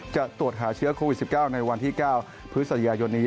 จะตรวจหาเชื้อโควิด๑๙ในวันที่๙พฤศจิกายนนี้